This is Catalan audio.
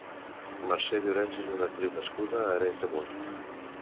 Mercè Llorens és una actriu nascuda a Arenys de Munt.